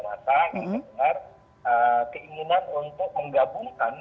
nasa keinginan untuk menggabungkan